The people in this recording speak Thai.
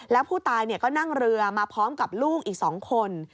แล้วผู้ตายก็นั่งเรือมาพร้อมกับลูกอีก๒คน